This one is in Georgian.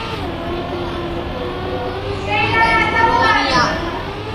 აეტა ანთროპოლოგიურად არაერთგვაროვანია.